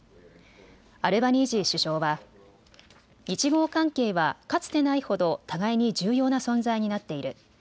アルバニージー首相は日豪関係はかつてないほど互いに重要な存在になっている。